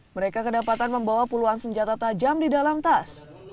mereka kedapatan membawa puluhan senjata tajam di dalam tas